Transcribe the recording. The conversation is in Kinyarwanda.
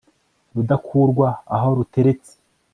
rudakurwa aho ruteretse